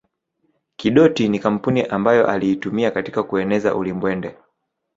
Kidoti ni kampuni ambayo aliitumia katika kueneza ulimbwende